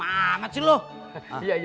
kalau mana kau nolok sebut